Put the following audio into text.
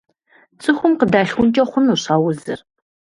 ЦӀыхум къыдалъхункӀэ хъунущ а узыр.